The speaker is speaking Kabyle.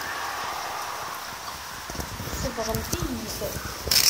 Sebɣent-iyi-t.